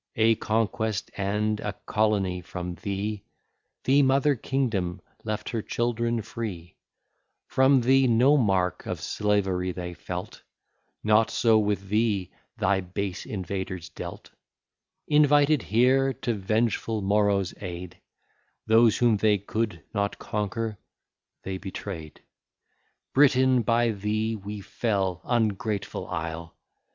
A conquest and a colony from thee, The mother kingdom left her children free; From thee no mark of slavery they felt: Not so with thee thy base invaders dealt; Invited here to vengeful Morrough's aid, Those whom they could not conquer they betray'd. Britain, by thee we fell, ungrateful isle!